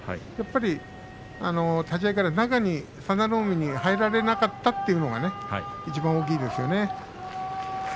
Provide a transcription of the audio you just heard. やっぱり立ち合いから中に佐田の海に入られなかったというのがいちばん大きいですね。